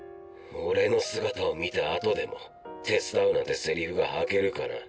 俺の姿を見たあとでも手伝うなんてセリフが吐けるかな。